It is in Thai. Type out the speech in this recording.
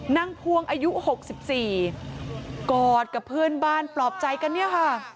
พวงอายุ๖๔กอดกับเพื่อนบ้านปลอบใจกันเนี่ยค่ะ